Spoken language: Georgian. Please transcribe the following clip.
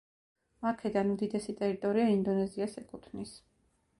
აქედან, უდიდესი ტერიტორია ინდონეზიას ეკუთვნის.